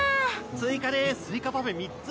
追加でスイカパフェ３つ。